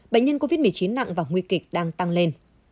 bệnh nhân covid một mươi chín nặng và nguy kịch đang tăng lên